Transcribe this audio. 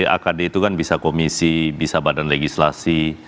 akd itu kan bisa komisi bisa badan legislasi